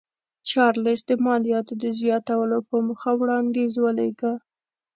چارلېز د مالیاتو د زیاتولو په موخه وړاندیز ولېږه.